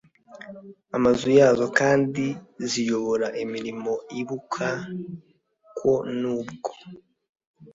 amazu yazo kandi ziyobora imirimo Ibuka ko nubwo